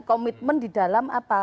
komitmen di dalam apa